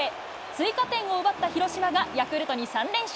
追加点を奪った広島が、ヤクルトに３連勝。